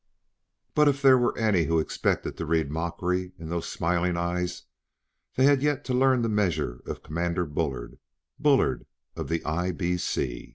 But if there were any who expected to read mockery in those smiling eyes, they had yet to learn the measure of Commander Bullard "Bullard, of the I.